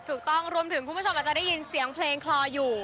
รวมถึงคุณผู้ชมอาจจะได้ยินเสียงเพลงคลออยู่